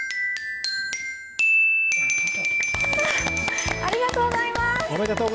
ありがとうございます。